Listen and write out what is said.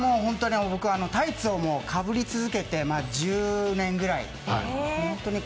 僕はタイツをかぶり続けて１０年くらい。